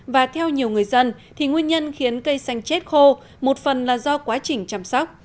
và theo nhiều người dân thì nguyên nhân khiến cây xanh chết khô một phần là do quá trình chăm sóc